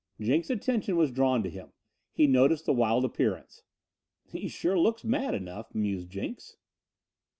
Jenks' attention was drawn to him. He noted his wild appearance. "He sure looks mad enough," mused Jenks.